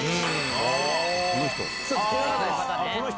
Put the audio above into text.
この人？